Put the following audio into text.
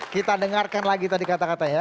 kita dengarkan lagi tadi kata kata ya